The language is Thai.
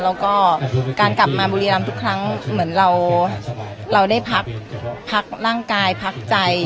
แล้วก็การกลับมาบุรีรำทุกครั้งเหมือนเราได้พักร่างกายพักใจ